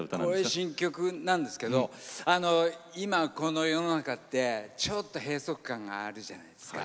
新曲なんですけど今この世の中ってちょっと閉塞感があるじゃないですか。